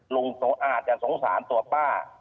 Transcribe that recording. อาจจะสงสารตัวป้า